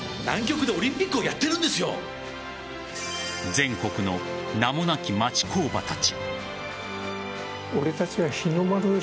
全国の名もなき町工場たち。